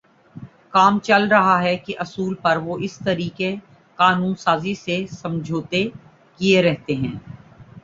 کام چل رہا ہے کے اصول پر وہ اس طریقِ قانون سازی سے سمجھوتاکیے رہتے ہیں